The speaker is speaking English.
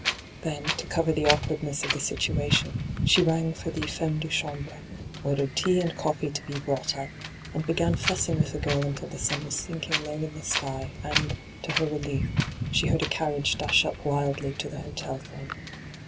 Then, to cover the awkwardness of the situation, she rang for the f&mmt de chambre, ordered tea and coffee to be brought up, and hyGoogIc 250 ENTRAPPED b^an fussing with the girl until the sun was sinking low in the sky, and, to her relief, she heard a carriage dash up wildly to the hotel front.